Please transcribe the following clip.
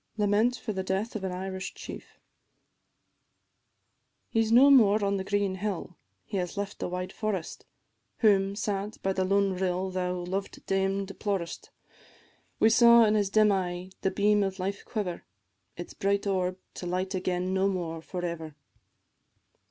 LAMENT FOR THE DEATH OF AN IRISH CHIEF. He 's no more on the green hill, he has left the wide forest, Whom, sad by the lone rill, thou, loved dame, deplorest: We saw in his dim eye the beam of life quiver, Its bright orb to light again no more for ever.